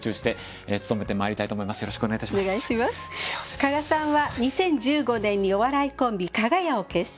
加賀さんは２０１５年にお笑いコンビかが屋を結成。